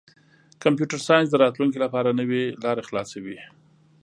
کمپیوټر ساینس د راتلونکي لپاره نوې لارې خلاصوي.